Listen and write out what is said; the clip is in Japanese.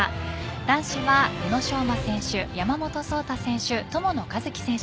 男子は宇野昌磨選手山本草太選手、友野一希選手。